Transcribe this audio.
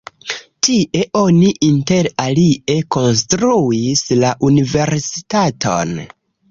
Tie oni inter alie konstruis la universitaton.